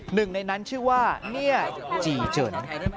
หนึ่งในนั้นชื่อว่าเนี่ยจีเฉิน